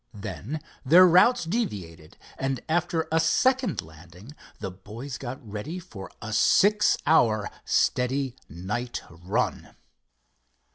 Then their routes deviated, and after a second landing the boys got ready for a six hour steady night run.